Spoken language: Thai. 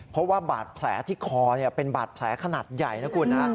เพราะว่าบาดแผลที่คอเป็นบาดแผลขนาดใหญ่นะคุณนะ